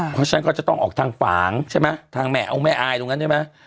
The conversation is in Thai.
เพราะฉะนั้นก็จะต้องออกทางฝางใช่ไหมทางแม่เอาแม่อายตรงนั้นใช่ไหม